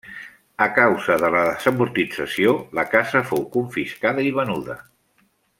A causa de la Desamortització la casa fou confiscada i venuda.